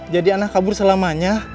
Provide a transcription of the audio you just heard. jadi ana kabur selamanya